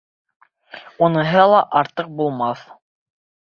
— Уныһы ла артыҡ булмаҫ.